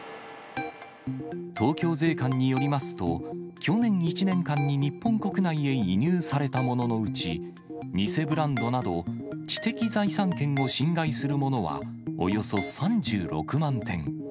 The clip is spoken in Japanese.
東京税関によりますと、去年１年間に日本国内へ輸入されたもののうち、偽ブランドなど知的財産権を侵害するものは、およそ３６万点。